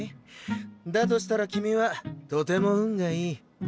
だとしたら君はとても運がいい。